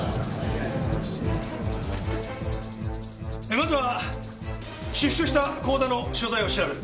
まずは出所した甲田の所在を調べる。